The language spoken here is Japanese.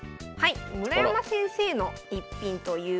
村山先生の逸品ということで。